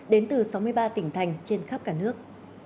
đến từ sáu mươi ba tỉnh thành trên khắp cả nước